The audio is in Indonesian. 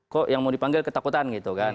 kok yang mau dipanggil ketakutan gitu kan